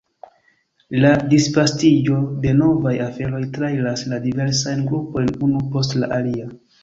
La disvastiĝo de novaj aferoj trairas la diversajn grupojn unu post la alia.